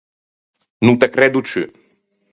No te creddo ciù.